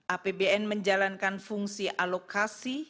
apbn menjalankan fungsi alokasi